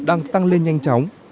đang tăng lên nhanh chóng